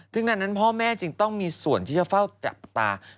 ดังนั้นพ่อแม่จึงต้องมีส่วนที่จะเฝ้าจับตา